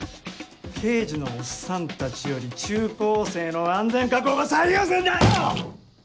刑事のおっさんたちより中高生の安全確保が最優先だよ‼